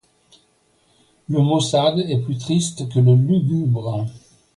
Le maussade est plus triste que le lugubre.